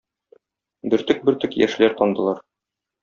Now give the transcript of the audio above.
Бөртек-бөртек яшьләр тамдылар.